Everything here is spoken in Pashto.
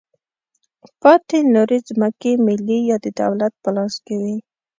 پاتې نورې ځمکې ملي یا د دولت په لاس کې وې.